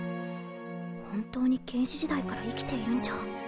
本当に原始時代から生きているんじゃ。